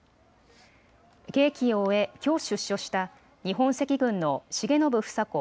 刑期を終えきょう出所した日本赤軍の重信房子